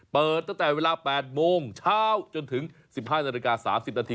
เปิดตั้งแต่เวลา๘โมงเช้าจนถึง๑๕นาฬิกา๓๐นาที